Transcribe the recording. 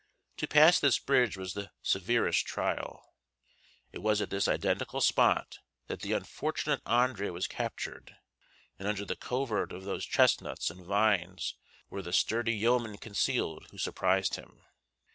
To pass this bridge was the severest trial. It was at this identical spot that the unfortunate Andre was captured, and under the covert of those chestnuts and vines were the sturdy yeomen concealed who surprised him.